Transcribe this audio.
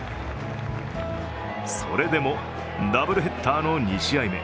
それでもダブルヘッダーの２試合目。